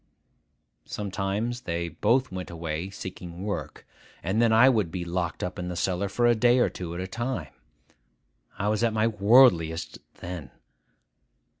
Sometimes they both went away seeking work; and then I would be locked up in the cellar for a day or two at a time. I was at my worldliest then.